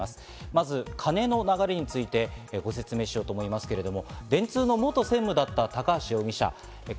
まず金の流れについてご説明しようと思いますけれども、電通の元専務だった高橋容疑者。